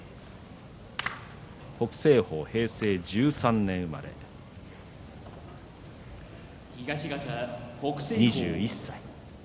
北青鵬は平成１３年生まれ２１歳。